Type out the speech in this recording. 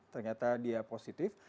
ternyata dia positif